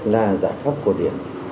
là giải pháp cổ điển